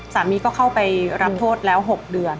สามีก็เข้าไปรับโทษแล้ว๖เดือน